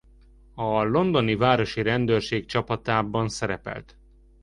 A londoni városi rendőrség csapatában szerepelt.